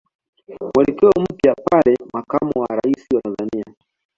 mwelekeo mpya pale Makamo wa Rais wa Tanzania